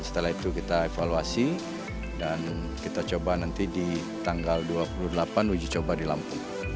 setelah itu kita evaluasi dan kita coba nanti di tanggal dua puluh delapan uji coba di lampung